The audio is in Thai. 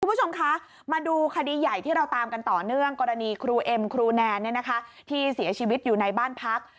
คุณผู้ชมคะมาดูคดีใหญ่ที่เราตามกันต่อเนื่องกรณีครูเอ็มครูแนนที่เสียชีวิตอยู่ในบ้านพัก